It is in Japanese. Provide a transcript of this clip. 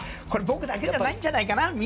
僕だけじゃないんじゃないかな。